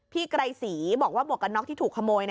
ไกรศรีบอกว่าหมวกกันน็อกที่ถูกขโมย